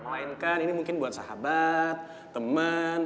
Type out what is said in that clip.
melainkan ini mungkin buat sahabat teman